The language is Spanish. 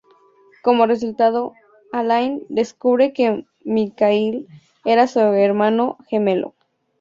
Como resultado, Alain descubre que Mikhail era su hermano gemelo.